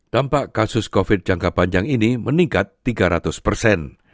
dampak kasus covid jangka panjang ini meningkat tiga ratus persen